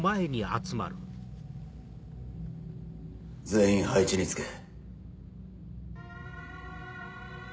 全員配置につけ。